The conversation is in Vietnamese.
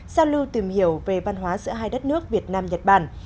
giao lưu tìm hiểu về văn hóa giữa hai đất nước việt nam nhật bản